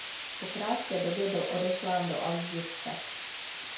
Po krátké době byl odeslán do Alžírska.